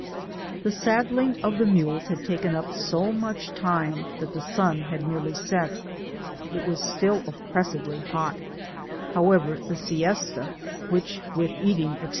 The saddling of the mules had taken up so much time that the sun had nearly set. It was still op pressively hot $ however, the siesta^ which with eating, 8fc.